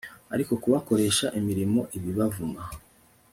ariko kubakoresha imirimo ibibavuma